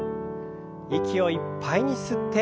息をいっぱいに吸って。